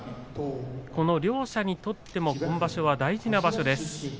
この両者にとっても今場所は大事な場所です。